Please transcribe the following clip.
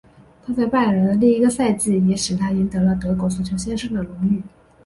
他在拜仁的第一个赛季也使他赢得了德国足球先生的荣誉。